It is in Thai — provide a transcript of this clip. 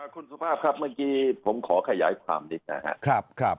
คุณสุภาพครับเมื่อกี้ผมขอขยายความนิดนะครับ